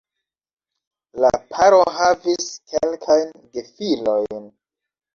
La paro havis kelkajn gefilojn.